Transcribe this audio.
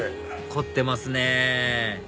凝ってますね